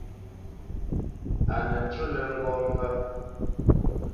A nə ncú lə́ ŋgó mpfə́.